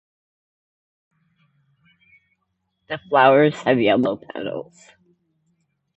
The flowers have yellow petals.